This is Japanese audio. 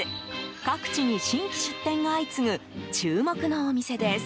各地に新規出店が相次ぐ注目のお店です。